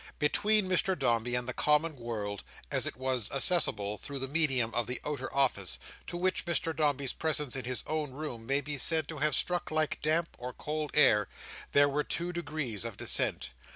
Between Mr Dombey and the common world, as it was accessible through the medium of the outer office—to which Mr Dombey's presence in his own room may be said to have struck like damp, or cold air—there were two degrees of descent.